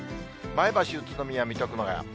前橋、宇都宮、水戸、熊谷。